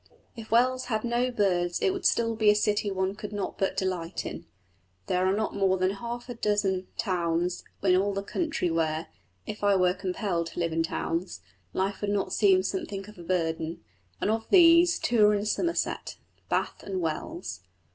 If Wells had no birds it would still be a city one could not but delight in. There are not more than half a dozen towns in all the country where (if I were compelled to live in towns) life would not seem something of a burden; and of these, two are in Somerset Bath and Wells.